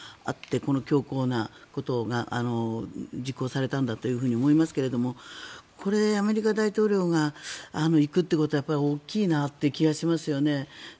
この強硬なことが実行されたんだと思いますがこれ、アメリカ大統領が行くということは大きいなという感じがしますよね。